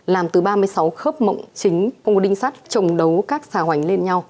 làm từ ba mươi sáu khớp mộng chính không có đinh sắt trồng đấu các xà hoành lên nhau